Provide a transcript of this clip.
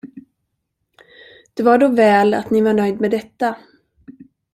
Det var då väl, att ni var nöjd med detta.